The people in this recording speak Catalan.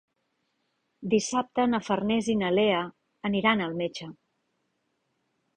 Dissabte na Farners i na Lea aniran al metge.